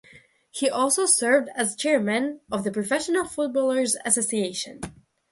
He also served as Chairman of the Professional Footballers' Association.